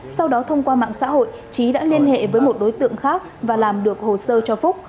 sau đó thông qua mạng xã hội trí đã liên hệ với một đối tượng khác và làm được hồ sơ cho phúc